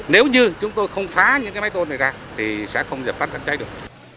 nếu như chúng tôi không phá những cái máy tôn này ra thì sẽ không dập tắt đám cháy được